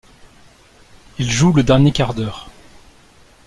Il joue le dernier quart d'heure.